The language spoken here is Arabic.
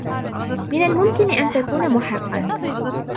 من الممكن أن تكون محقا.